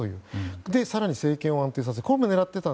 それで更に政権を安定させることを狙っていた。